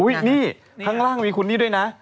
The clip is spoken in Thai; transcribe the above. นี่ข้างล่างมีคุณนี่ด้วยนะ